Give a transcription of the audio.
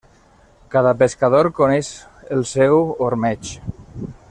Cada pescador coneix el seu ormeig.